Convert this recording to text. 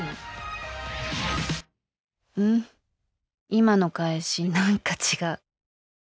今の返し何か違う。